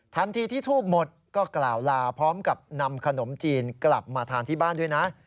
ทันทีที่ทูบหมดก็กล่าวลาพร้อมกับนำขนมจีนกลับมาทานที่บ้านด้วยนะ